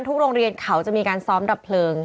โรงเรียนเขาจะมีการซ้อมดับเพลิง